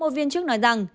một viên chức nói rằng